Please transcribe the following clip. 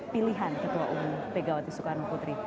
pilihan ketua umum pegawati soekarno putri